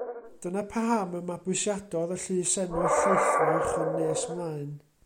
Dyna paham y mabwysiadodd y llysenw Llaethferch yn nes ymlaen.